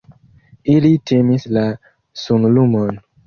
Ili timis la sunlumon.